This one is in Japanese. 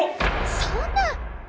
そんな。